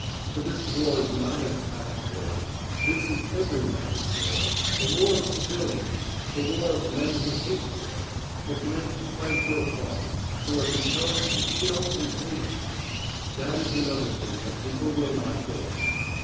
For this war is not as past wars; this is every man's war, a war of civilians, a war of men who hate war, of men who fight for a cause, who are compelled to kill and hate it. That is another thing that people will not face.